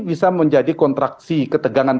bisa menjadi kontraksi ketegangan